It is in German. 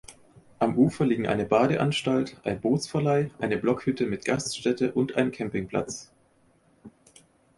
Am Ufer liegen eine Badeanstalt, ein Bootsverleih, eine Blockhütte mit Gaststätte und ein Campingplatz.